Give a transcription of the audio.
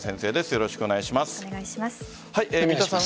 よろしくお願いします。